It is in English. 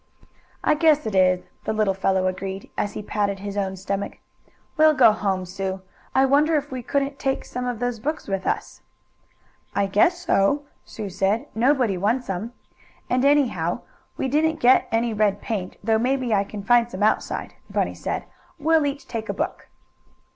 "I guess it is," the little fellow agreed, as he patted his own stomach. "We'll go home, Sue. I wonder if we couldn't take some of those books with us?" "I guess so," Sue said. "Nobody wants 'em." "And, anyhow, we didn't get any red paint, though maybe I can find some outside," Bunny said. "We'll each take a book."